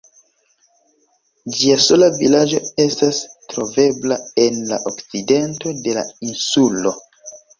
Ĝia sola vilaĝo estas trovebla en la okcidento de la insulo.